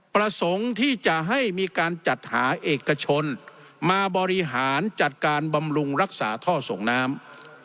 ประสงค์ที่จะให้มีการจัดหาเอกชนมาบริหารจัดการบำรุงรักษาท่อส่งน้ำ